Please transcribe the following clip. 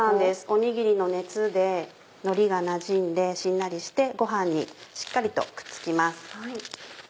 おにぎりの熱でのりがなじんでしんなりしてご飯にしっかりとくっつきます。